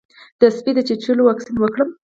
د سپي د چیچلو واکسین وکړم؟